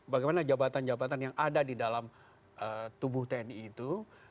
bagaimana jabatan jabatan yang ada di dalam tubuh tni itu